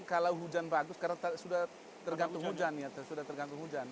kalau hujan bagus karena sudah tergantung hujan